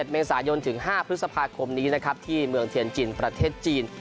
๑เมษายนถึง๕พฤษภาคมนี้นะครับที่เมืองเทียนจินประเทศจีน